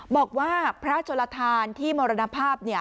บอกว่าพระโชลทานที่มรณภาพ